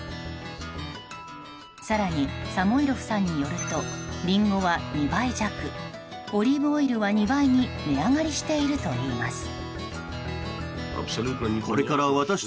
更に、サモイロフさんによるとリンゴは２倍弱オリーブオイルは２倍に値上がりしているといいます。